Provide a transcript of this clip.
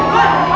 hei berhenti kan